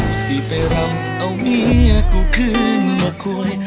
กูสิไปรับเอาเมียกูขึ้นมาค่วย